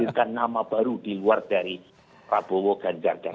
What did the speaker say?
yang hadirkan nama baru di luar dari prabowo ganjar dan anies